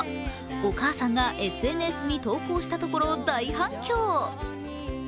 お母さんがＳＮＳに投稿したところ大反響！